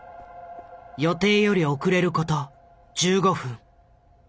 予定より遅れる事１５分。